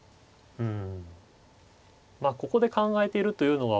うん。